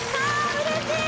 うれしい。